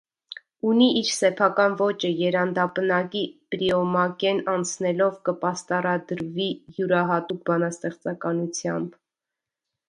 Ունի իր սեփական ոճը երանդապնակի պրիոմակէն անցնելով կը պաստառադրուի իւրայատուկ բանաստեղծականութեամբ։